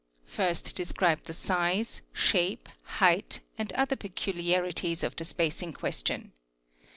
First déscribe the size, shape, height, and other peculiarities of the space in question.